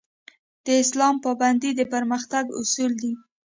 د اسلام پابندي د پرمختګ اصول دي